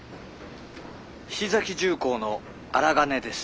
菱崎重工の荒金です。